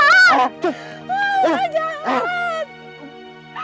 eros tuh hari itu gak nganyang ketakutan